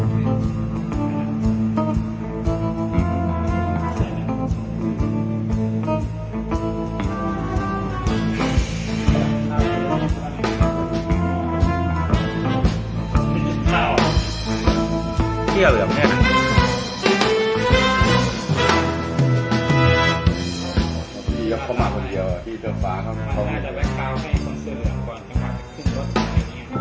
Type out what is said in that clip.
พี่เข้ามาคนเดียวพี่เตอร์ฟราเขาเขามี